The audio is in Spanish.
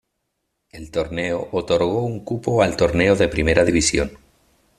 El torneo otorgó un cupo al torneo de Primera División.